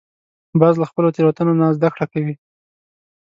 باز له خپلو تېرو نه زده کړه کوي